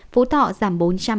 phú thọ giảm bốn trăm bốn mươi chín